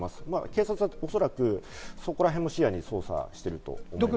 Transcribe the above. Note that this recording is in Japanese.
警察はおそらくそこらへんも視野に捜査していると思います。